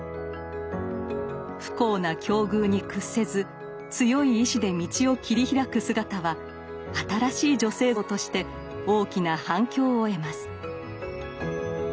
不幸な境遇に屈せず強い意志で道を切り開く姿は新しい女性像として大きな反響を得ます。